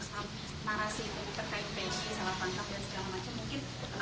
mungkin apa sih sebenarnya yang harus dilakukan oleh aparat pendekat pendekat hukum